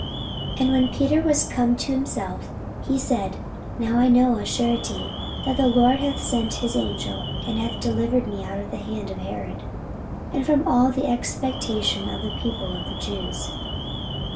44:012:011 And when Peter was come to himself, he said, Now I know of a surety, that the LORD hath sent his angel, and hath delivered me out of the hand of Herod, and from all the expectation of the people of the Jews.